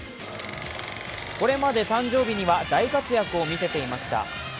これまで誕生日には大活躍を見せていました。